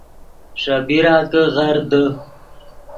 ݰے بیرا کہ غر دے